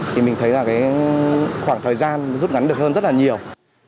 thì mình thấy là cái khoảng thời gian rút ngắn được hơn rất là nhiều